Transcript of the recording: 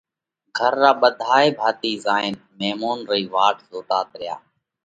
گھر را ٻڌائي ڀاتِي زئيون ميمونَ رئي واٽ زوتات ريا،